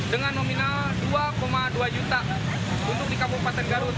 dengan nominal rp dua dua juta untuk di kabupaten garut